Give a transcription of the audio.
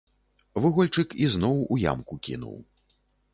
Вугольчык ізноў у ямку кінуў.